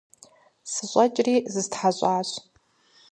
СыщӀэкӀри зыстхьэщӀащ.